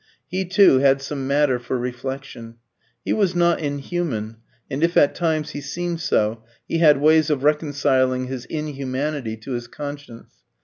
He too had some matter for reflection. He was not inhuman, and if at times he seemed so, he had ways of reconciling his inhumanity to his conscience.